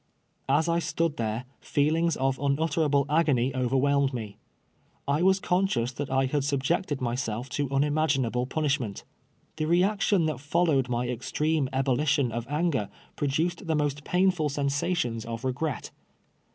As I stood tliere, feelings of unutterable agony overwhelmed me. I was conscious that I had sub jected myself to unimaginable punishment. The re action that followed my extreme ebullition of anger jn'oduced the most painful sensations of regret.